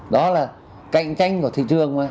đó là cạnh tranh của thị trường mà